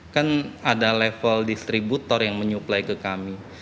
kan ada level distributor yang menyuplai ke kami